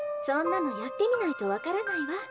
そんなのやってみないと分からないわ。